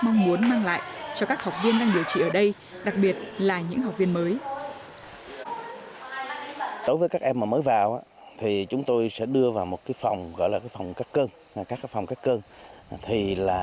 mong muốn mang lại cho các học viên đang điều trị ở đây đặc biệt là những học viên mới